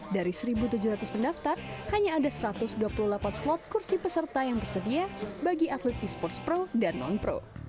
dari satu tujuh ratus pendaftar hanya ada satu ratus dua puluh delapan slot kursi peserta yang tersedia bagi atlet e sports pro dan non pro